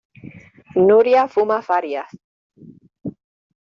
Nuria fuma farias.